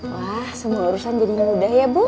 wah semua urusan jadi mudah ya bu